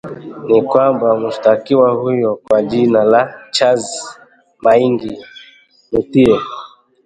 ni kwamba mshukiwa huyo kwa jina la Charlse Maingi Mutie